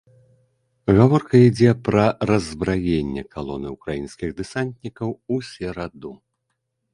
Гаворка ідзе пра раззбраенне калоны ўкраінскіх дэсантнікаў у сераду.